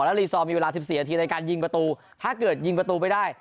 แล้วรีซอร์มีเวลา๑๔นาทีในการยิงประตูถ้าเกิดยิงประตูไม่ได้